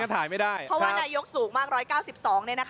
เพราะว่านายกสูงมาก๑๙๒เนี่ยนะคะ